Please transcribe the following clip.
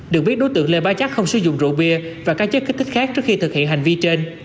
được biết đối tượng lê bá chắc không sử dụng rượu bia và các chất kích thích khác trước khi thực hiện hành vi trên